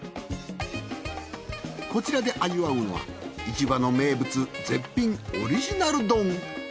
こちらで味わうのは市場の名物絶品オリジナル丼。